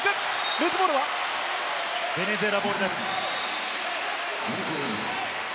ルーズボールはベネズエラボールです。